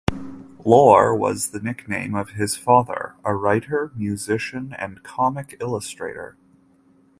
Lore was the nickname of his father, a writer, musician and comic illustrator.